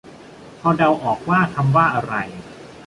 พอเดาออกว่าคำว่าอะไร